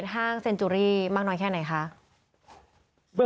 ตอนนี้ยังไม่ได้นะครับ